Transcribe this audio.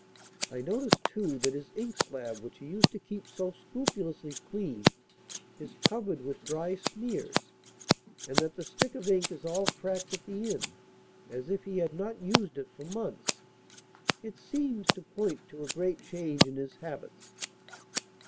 I noticed, too, that his ink slab which he used to keep so scrupulously clean is covered with dry smears and that the stick of ink is all cracked at the end, as if he had not used it for months. It seems to point to a great change in his habits."